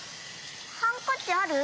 ハンカチある？